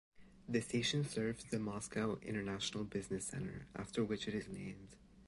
The station serves the Moscow International Business Center, after which it is named.